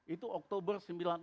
itu oktober sembilan puluh enam